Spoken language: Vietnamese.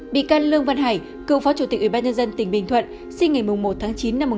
bị can lương văn hải cựu phó chủ tịch ủy ban nhân dân tỉnh bình thuận sinh ngày một tháng chín năm một nghìn chín trăm sáu mươi